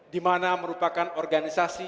dimana merupakan organisasi